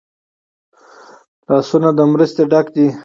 لاسونه له مرستې ډک دي